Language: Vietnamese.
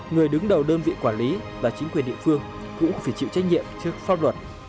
người đứng đầu đơn vị quản lý và chính quyền địa phương cũng phải chịu trách nhiệm trước pháp luật